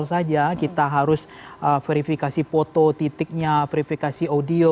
untuk quality control saja kita harus verifikasi foto titiknya verifikasi audio